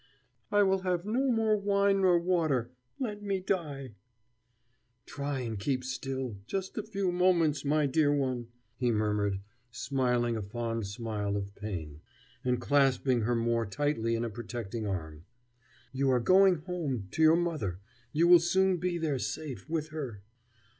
"I will have no more wine nor water let me die!" "Try and keep still, just a few moments, my dear one!" he murmured, smiling a fond smile of pain, and clasping her more tightly in a protecting arm. "You are going home, to your mother. You will soon be there, safe, with her."